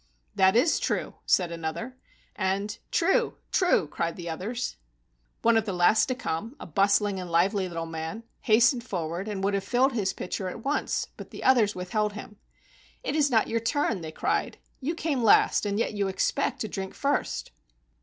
"That is true," said another. And — "True ! True !" cried the others. 154 A JAPANESE STORY One of the last to come, a bustling and lively little man, hastened forward and would have filled his pitcher at once, but the others withheld him. "It is not your turn," they cried. "You came last, and yet you expect to drink first."